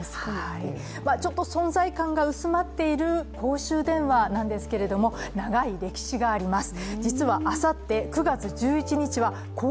ちょっと存在感が薄まっている公衆電話なんですが、長い歴史があります。